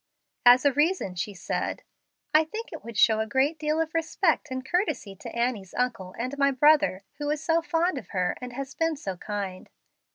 As a reason she said, "I think it would show a great lack of respect and courtesy to Annie's uncle and my brother, who is so fond of her, and has been so kind.